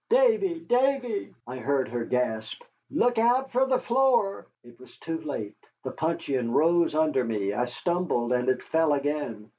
"Davy, Davy," I heard her gasp, "look out fer the floor!" It was too late. The puncheon rose under me, I stumbled, and it fell again.